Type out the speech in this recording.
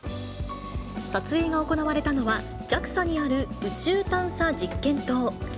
撮影が行われたのは、ＪＡＸＡにある宇宙探査実験棟。